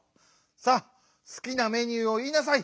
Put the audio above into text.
さあすきなメニューをいいなさい！